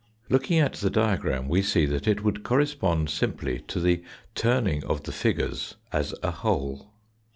Looking at the diagram we see that it would correspond simply to the turning of the figures as a whole.